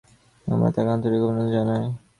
আমরা তাঁকে আন্তরিক অভিনন্দন জানাই।